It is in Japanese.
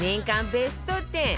ベスト１０